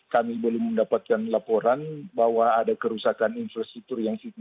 kami belum mendapatkan laporan bahwa ada kerusakan itu